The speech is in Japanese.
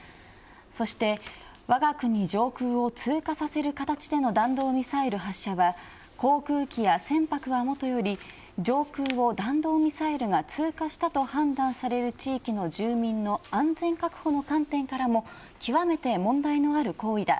そして、わが国上空を通過させる形での弾道ミサイル発射は航空機や船舶はもとより上空を弾道ミサイルが通過したと判断される地域の住民の安全確保の観点からも極めて問題のある行為だ。